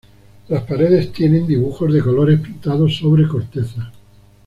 Las paredes tienen dibujos de colores pintados sobre cortezas.